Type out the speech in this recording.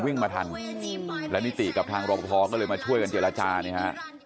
วิ่งมาทันแล้วนิติกับทางรอปภก็เลยมาช่วยกันเจรจาเนี่ยฮะ